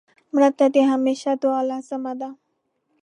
مړه ته د همېشه دعا لازم ده